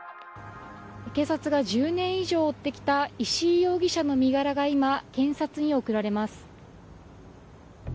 警察が１０年以上追ってきた石井容疑者の身柄が今、検察に送られます。